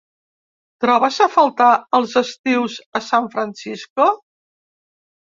Trobes a faltar els estius a San Francisco?